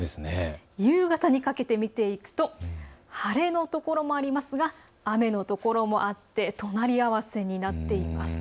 夕方にかけて見ていくと晴れの所もありますが雨の所もあって隣り合わせになっています。